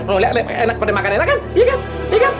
loh liat liat enak pada makan enak kan iya kan iya kan